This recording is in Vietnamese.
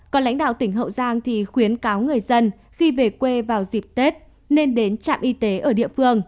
còn lãnh đạo tỉnh hậu giang thì khuyến cáo người dân khi về quê vào dịp tết nên đến trạm y tế ở địa phương